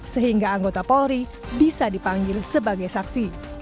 sehingga anggota polri bisa dipanggil sebagai saksi